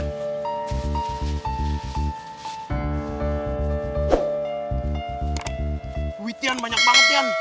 duit yan banyak banget yan